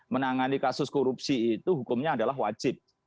menangani kasus korupsi itu hukumnya adalah wajib